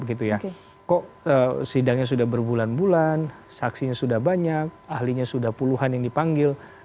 kok sidangnya sudah berbulan bulan saksinya sudah banyak ahlinya sudah puluhan yang dipanggil